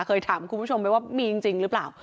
เคยถามคุณผู้ชมไปว่ามีจริงหรือเปล่า